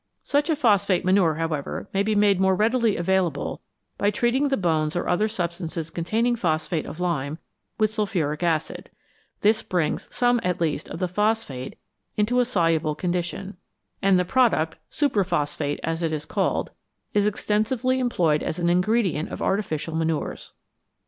Such a phosphate manure, however, may be made more readily available by treating the bones or other substances containing phosphate of lime with sulphuric acid ; this brings some at least of the phosphate into a soluble condition, and the product "super phosphate," as it is called is extensively employed as an ingredient of artificial manures.